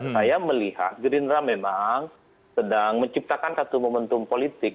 saya melihat gerindra memang sedang menciptakan satu momentum politik